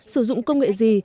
sử dụng công nghệ gì